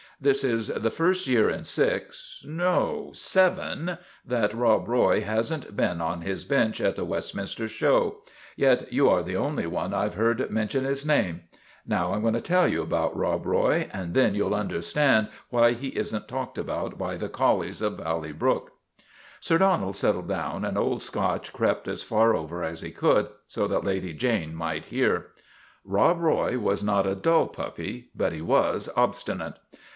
This is the first year in six no, seven that Rob Roy has n't been on his bench at the Westminster show ; yet you are the only one I 've heard mention his name. Now I 'm going to tell you about Rob Roy, and then you '11 understand why he is n't talked about by the collies of Valley Brook." Sir Donald settled down, and Old Scotch crept as far over as he could, so that Lady Jane might hear. " Rob Roy was not a dull puppy ; but he was obsti nate.